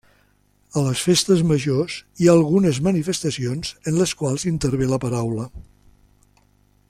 A les festes majors hi ha algunes manifestacions en les quals intervé la paraula.